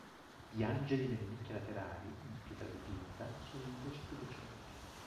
Gli angeli nelle nicchie laterali, in pietra dipinta, sono invece più recenti.